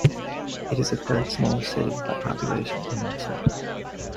It is the third smallest city, by population, in Minnesota.